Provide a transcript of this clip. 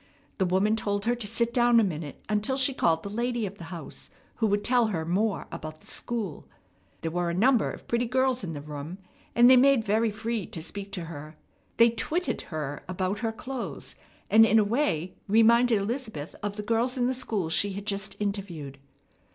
The woman told her to sit down a minute until she called the lady of the house, who would tell her more about the school. There were a number of pretty girls in the room, and they made very free to speak to her. They twitted her about her clothes, and in a way reminded Elizabeth of the girls in the school she had just interviewed.